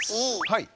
はい。